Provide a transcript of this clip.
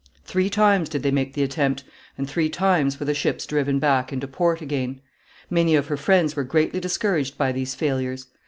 Three times did they make the attempt, and three times were the ships driven back into port again. Many of her friends were greatly discouraged by these failures.